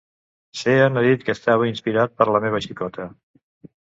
Sean ha dit que estava "inspirat per la meva xicota".